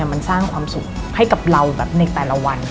มันสร้างความสุขให้กับเราแบบในแต่ละวัน